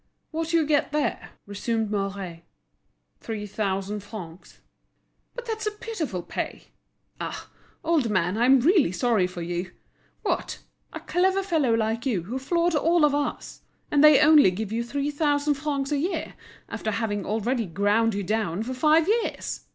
"What do you get there?" resumed Mouret. "Three thousand francs." "But that's pitiful pay! Ah! old man, I'm really sorry for you. What! a clever fellow like you, who floored all of us! And they only give you three thousand francs a year, after having already ground you down for five years!